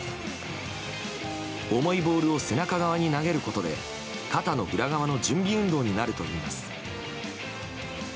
重いボールを背中側に投げることで肩の裏側の準備運動になるといいます。